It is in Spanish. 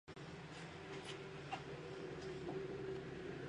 Es originario de Asia, Mongolia.